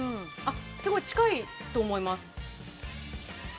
すごい近いと思います。